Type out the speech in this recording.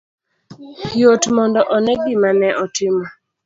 Yot mondo one gima ne otimo